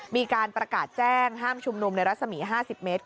มีการประกาศแจ้งห้ามชุมนุมในรัศมี๕๐เมตร